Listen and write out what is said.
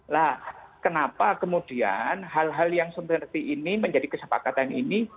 nah kenapa kemudian hal hal yang seperti ini menjadi kesepakatan ini